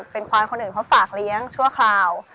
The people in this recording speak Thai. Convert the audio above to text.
เป็นควายคนอื่นเขาฝากเลี้ยงชั่วคราว